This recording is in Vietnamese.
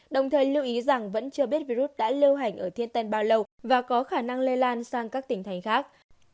đồng thời lưu ý rằng vẫn chưa biết virus đã lưu hành ở thiên tên bao lâu và có khả năng lây lan sang các tỉnh thành khác